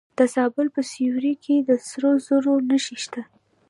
د زابل په سیوري کې د سرو زرو نښې شته.